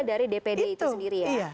dari dpd itu sendiri ya